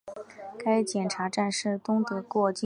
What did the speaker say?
该检查站是东德过境交通的出入境检查站之一。